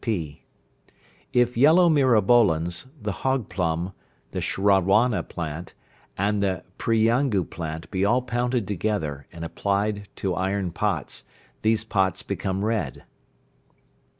(p). If yellow myrabolans, the hog plum, the shrawana plant, and the priyangu plant be all pounded together, and applied to iron pots, these pots become red.